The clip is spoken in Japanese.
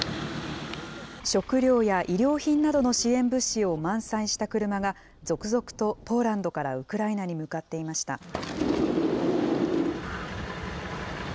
食料や衣料品などの支援物資を満載した車が、続々とポーランドからウクライナに向かっていました。